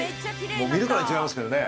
もう見るからに違いますけどね！